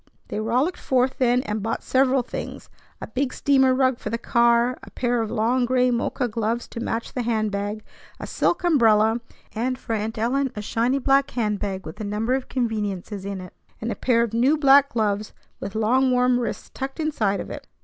They rollicked forth then, and bought several things, a big steamer rug for the car, a pair of long gray mocha gloves to match the hand bag, a silk umbrella, and for Aunt Ellen a shiny black hand bag with a number of conveniences in it, and a pair of new black gloves with long, warm wrists tucked inside of it.